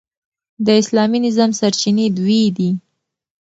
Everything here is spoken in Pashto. د اسلامي نظام سرچینې دوې دي.